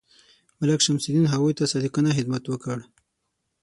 ملک شمس الدین هغوی ته صادقانه خدمت وکړ.